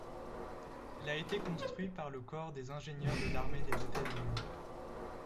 Il a été construit par le corps des ingénieurs de l'armée des États-Unis.